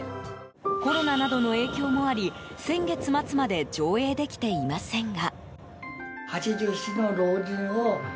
コロナなどの影響もあり先月末まで上映できていませんが。